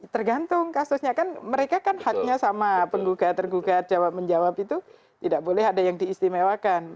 tergantung kasusnya kan mereka kan haknya sama penggugat tergugat jawab menjawab itu tidak boleh ada yang diistimewakan